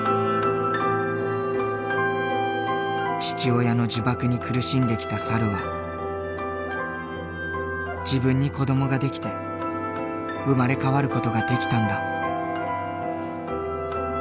父親の呪縛に苦しんできた猿は自分に子どもができて生まれ変わる事ができたんだ。